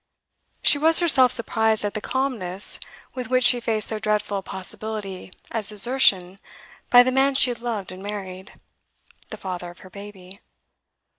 She was herself surprised at the calmness with which she faced so dreadful a possibility as desertion by the man she had loved and married, the father of her baby.